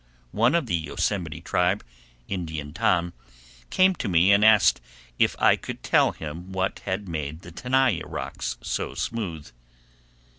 One of the Yosemite tribe, Indian Tom, came to me and asked if I could tell him what had made the Tenaya rocks so smooth.